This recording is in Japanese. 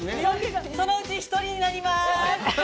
そのうち１人になります！